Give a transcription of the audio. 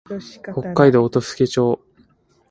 北海道音更町